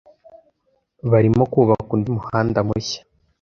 Barrimo kubaka undi muhanda mushya